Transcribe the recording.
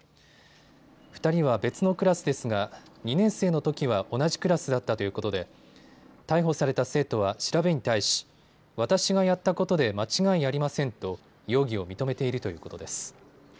２人は別のクラスですが２年生のときは同じクラスだったということで逮捕された生徒は調べに対し、私がやったことで間違いありませんと容疑を認めているということです。